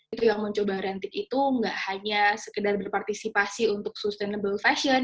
itu yang mencoba ranting itu nggak hanya sekedar berpartisipasi untuk sustainable fashion